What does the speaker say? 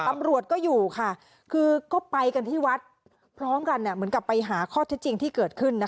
ตำรวจก็อยู่ค่ะคือก็ไปกันที่วัดพร้อมกันเหมือนกับไปหาข้อเท็จจริงที่เกิดขึ้น